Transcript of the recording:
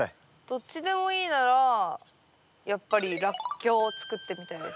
どっちでもいいならやっぱりラッキョウを作ってみたいです。